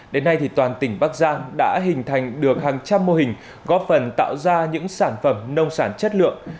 đến nay toàn tỉnh bắc giang đã hình thành được hàng trăm mô hình góp phần tạo ra những sản phẩm nông sản chất lượng